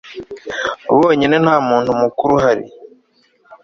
bonyine ntamuntu mukuru uhari